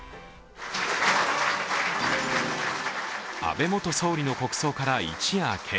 安倍元総理の国葬から一夜明け